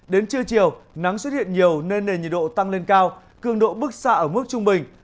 đến trưa chiều nắng xuất hiện nhiều nên nền nhiệt độ tăng lên cao cường độ bức xa ở mức trung bình